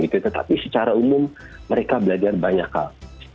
tetapi secara umum mereka belajar banyak hal